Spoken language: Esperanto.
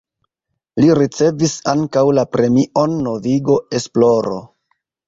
Li ricevis ankaŭ la Premion Novigo Esploro.